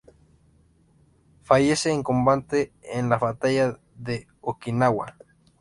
Fallece en combate en la batalla de Okinawa.